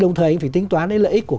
đồng thời anh phải tính toán lợi ích của